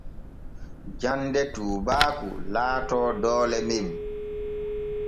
Jande tuubaaku laato doole men.